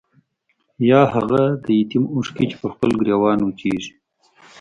يا هاغه د يتيم اوښکې چې پۀ خپل ګريوان وچيږي